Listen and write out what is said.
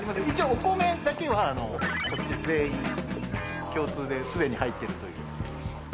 一応お米だけは全員共通ですでに入ってるという。